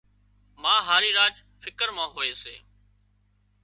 ما هارِي راچ فڪر مان هوئي سي